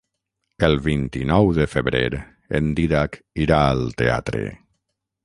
El vint-i-nou de febrer en Dídac irà al teatre.